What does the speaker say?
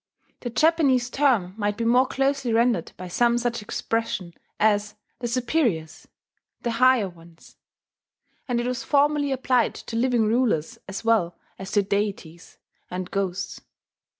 The Japanese term might be more closely rendered by some such expression as "the Superiors," "the Higher Ones"; and it was formerly applied to living rulers as well as to deities and ghosts.